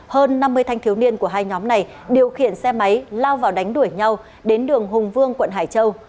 hơn năm mươi thanh thiếu niên của hai nhóm này điều khiển xe máy lao vào đánh đuổi nhau đến đường hùng vương quận hải châu